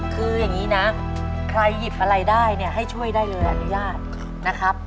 คืออย่างนี้นะใครหยิบอะไรได้เนี่ยให้ช่วยได้เลยอนุญาตนะครับ